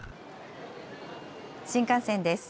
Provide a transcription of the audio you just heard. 新幹線です。